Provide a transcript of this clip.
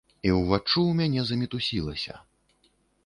І ўваччу ў мяне замітусілася.